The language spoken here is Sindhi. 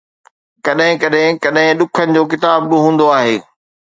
ڪڏھن ڪڏھن ڪڏھن ڏکن جو ڪتاب به ھوندو آھي